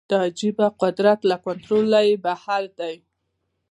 دا عجیبه قدرت له کنټروله یې بهر دی